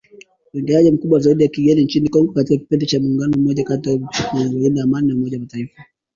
Uingiliaji mkubwa zaidi wa kigeni nchini Kongo katika kipindi cha muongo mmoja kando na operesheni ya kulinda Amani ya Umoja wa mataifa